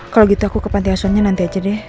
kalau gitu aku ke pantiasannya nanti aja deh